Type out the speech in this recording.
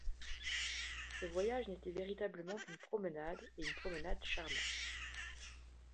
Ce voyage n’était véritablement qu’une promenade, et une promenade charmante.